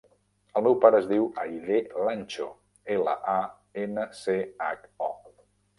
El meu pare es diu Aidé Lancho: ela, a, ena, ce, hac, o.